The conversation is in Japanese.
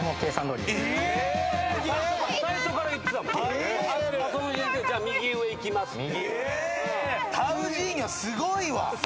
えっ！？じゃ右上いきますって。